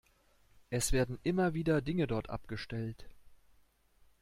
Es werden immer wieder Dinge dort abgestellt.